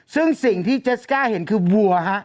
ซึ่งสิ่งที่เจสก้าเห็นคือวัวฮะ